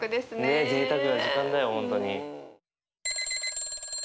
ねっぜいたくな時間だよ本当に。